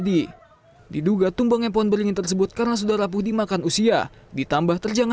tidak ada korban jiwa dalam isiden ini